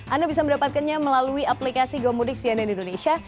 anda bisa mendapatkannya melalui aplikasi gomudik cnn indonesia